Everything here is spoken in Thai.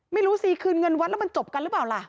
ไม่รู้สิคืนเงินวัดแล้วมันจบกันหรือเปล่าล่ะ